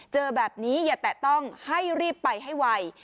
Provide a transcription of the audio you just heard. เจอแบบนี้อย่าแตะต้องให้รีบไปให้ไว